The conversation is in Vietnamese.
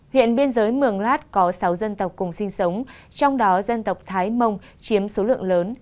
hiện biên giới mường lát có sáu dân tộc cùng sinh sống trong đó dân tộc thái mông chiếm số lượng lớn